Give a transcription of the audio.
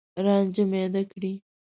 رانجه میده کړي